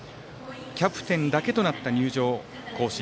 キャプテンだけとなった入場行進。